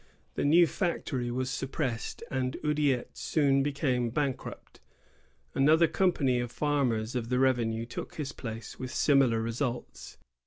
The new factory was suppressed, and Oudiette soon became bankrupt. Another company of farmers of the revenue took his place with similar results.